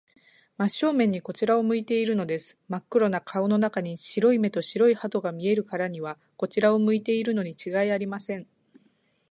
真正面にこちらを向いているのです。まっ黒な顔の中に、白い目と白い歯とが見えるからには、こちらを向いているのにちがいありません。